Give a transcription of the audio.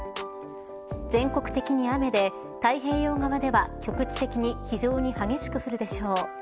全国的に雨で太平洋側では局地的に非常に激しく降るでしょう。